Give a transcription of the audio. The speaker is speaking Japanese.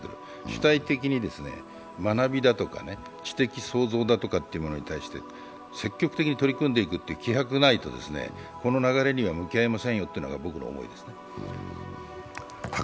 主体的に学びだとか知的創造だとかというものに対して積極的に取り組んでいくという気迫がないとこの流れには向き合えませんよというのが僕の思いです。